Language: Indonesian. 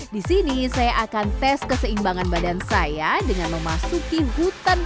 di sini saya akan tes keseimbangan badan saya dengan memasuki hutan